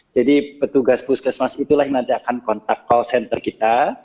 jadi petugas puskesmas itulah yang nanti akan kontak call center kita